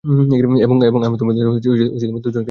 এবং আমি তোমাদের দুজনকেই হারাবো।